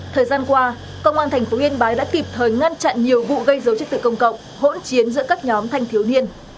thời gian qua công an thành phố yên bái đã kịp thời ngăn chặn nhiều vụ gây dấu chức tự công cộng hỗn chiến giữa các nhóm thanh thiếu niên